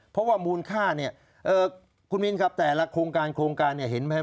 เพราะว่ามูลค่าคุณมินครับแต่ละโครงการเห็นไหม